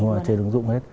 đúng rồi trên ứng dụng hết